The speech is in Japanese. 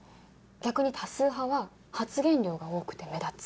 逆に多数派は発言量が多くて目立つ。